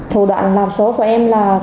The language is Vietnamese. thủ đoạn làm số của em là